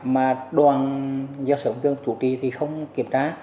mà đoàn do sự ổn thương chủ trì thì không kiểm tra